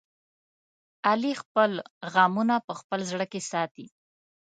علي خپل غمونه په خپل زړه کې ساتي.